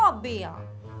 bukan begitu ya bang